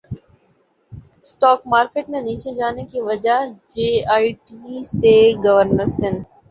stock market کے نیچے جانے کی وجہ جے ائی ٹی ہے گورنر سندھ